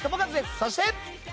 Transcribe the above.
そして。